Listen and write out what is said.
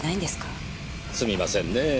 すみませんねぇ。